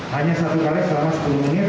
hanya satu kali selama sepuluh menit